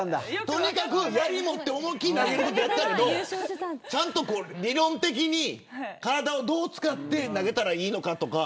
とにかくやり持って思いっ切り投げてたけど理論的に、体をどう使って投げたらいいのかとか。